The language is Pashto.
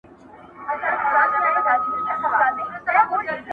هغه ساعت، هغه مصلحت.